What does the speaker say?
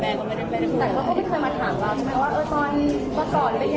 แต่ก็ไม่เคยมาถามมาที่นั้นคือว่าค่อนขวัญ